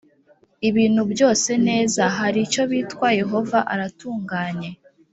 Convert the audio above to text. ibintu byose neza hari icyo bitwaYehova aratunganye